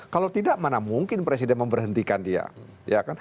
kalau tidak mana mungkin presiden memberhentikan dia